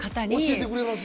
教えてくれます？